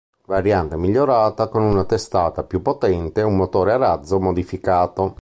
Variante migliorata con una testata più potente un motore a razzo modificato.